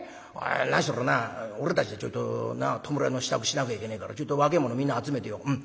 何しろな俺たちでちょいと弔いの支度しなきゃいけねえからちょいと若え者みんな集めてようん」。